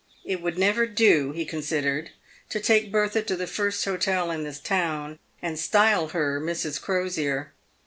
It would never do, he considered, to take Bertha to the first hotel in the town and style her Mrs. Crosier.